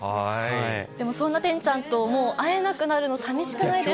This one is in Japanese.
でも、そんなてんちゃんともう会えなくなるの、さみしくないですか？